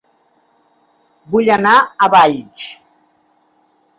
Vull anar a Valls